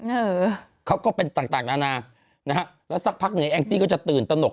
เออเขาก็เป็นต่างต่างนานานะฮะแล้วสักพักหนึ่งแองจี้ก็จะตื่นตนก